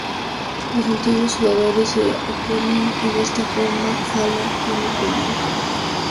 Los antiguos jugadores se oponen y de esta forma Fallon tiene problemas.